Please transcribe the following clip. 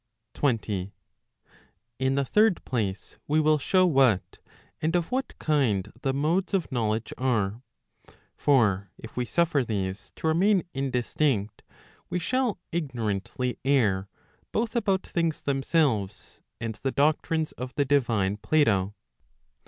20. In the third place, we will show what, and of what kind the modes of knowledge are; for if we suffer these to remain indistinct, we shall ignorantly err both about things themselves, and the doctrines of the divine Plato.